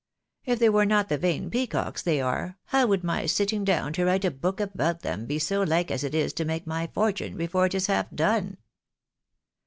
If they were not the vain peacocks they are, how would my sitting down to write a book about them be so like as it is to make my fortune before it is half done